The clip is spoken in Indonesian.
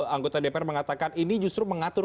anggota dpr mengatakan ini justru mengatur